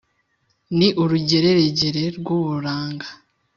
Ni urugeregere rw'uburanga,